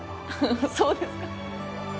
フフそうですか？